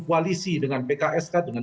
koalisi dengan pks dengan